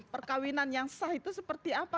perkawinan yang sah itu seperti apa